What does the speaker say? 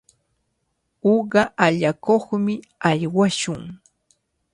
Uqa allakuqmi aywashun.